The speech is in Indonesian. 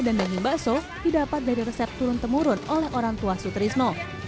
dan daging bakso didapat dari resep turun temurun oleh orang tua sutrisno